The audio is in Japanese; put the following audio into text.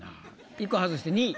１個外して２位。